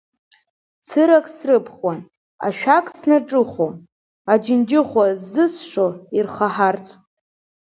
Цырак срыԥхуан, ашәак снаҿыхәон, аџьынџьыхәа ззысшо ирхаҳарц.